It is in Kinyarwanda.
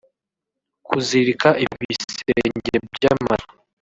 kuzirika ibisenge by’amazu